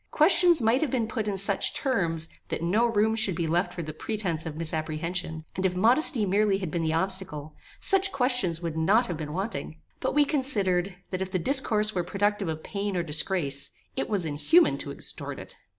Questions might have been put in such terms, that no room should be left for the pretence of misapprehension, and if modesty merely had been the obstacle, such questions would not have been wanting; but we considered, that, if the disclosure were productive of pain or disgrace, it was inhuman to extort it.